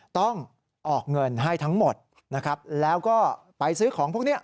ต้องออกเงินให้ทั้งหมดนะครับแล้วก็ไปซื้อของพวกนี้